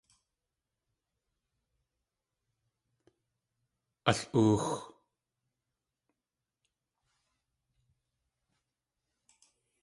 Al.óox.